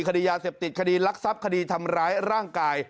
คดียาเสพติดคดีรักทรัพย์คดีทำร้ายร่างกาย